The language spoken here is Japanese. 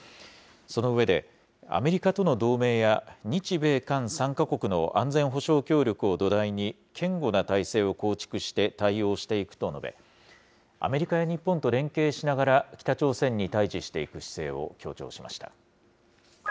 その上で、アメリカとの同盟や、日米韓３か国の安全保障協力を土台に、堅固な体制を構築して対応していくと述べ、アメリカや日本と連携しながら、北朝鮮に対じしていく姿勢を強調しました。